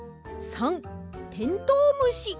③テントウムシ。